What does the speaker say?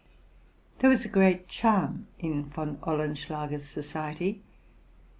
There was a great charm in Von Olenschlager's society.